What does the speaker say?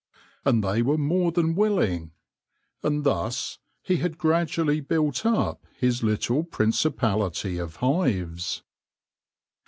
And they were more than will ing. And thus he had gradually built up his little principality of hives.